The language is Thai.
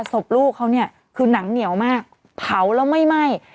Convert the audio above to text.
ศพลูกเขาเนี่ยคือหนังเหนียวมากเผาแล้วไม่ไหม้